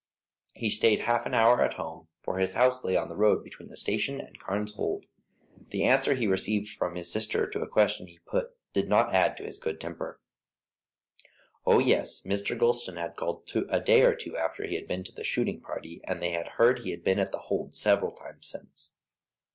He stayed half an hour at home, for his house lay on the road between the station and Carne's Hold. The answer he received from his sister to a question he put did not add to his good temper. Oh, yes. Mr. Gulston had called a day or two after he had been to the shooting party, and they had heard he had been at The Hold several times since.